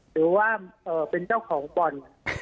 หรือว่าเป็นเจ้าของบ่อน